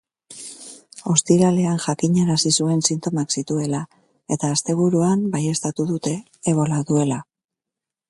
Ostiralean jakinarazi zuen sintomak zituela, eta asteburuan baieztatu dute ebola duela.